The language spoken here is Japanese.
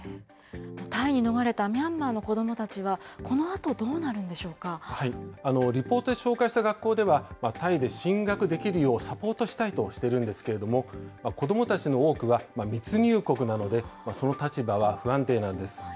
タイに逃れたミャンマーの子どもたちは、このあと、どうなるリポートで紹介した学校では、タイで進学できるようサポートしたいとしてるんですけれども、子どもたちの多くは密入国なので、その立場は不安定なんです。